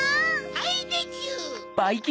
・はいでちゅ・